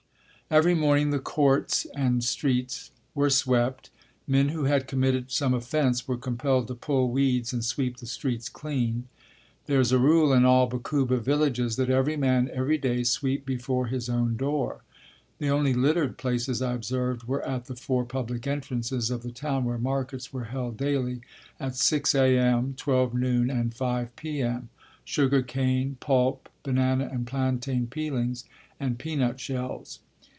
Every morning the "courts" and streets were swept. Men who had committed some offense were compelled to pull weeds and sweep the streets clean. There is a rule in all Bakuba villages that every man every day sweep before his own door. The only littered places I observed were at the four public entrances of the town where markets were held daily at 6 A.M., 12 noon and 5 P.M. sugar cane, pulp, banana and plantain peelings, and peanut shells.